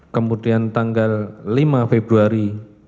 kemudian tanggal lima februari